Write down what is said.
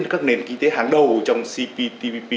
các nền kinh tế hàng đầu trong cptpp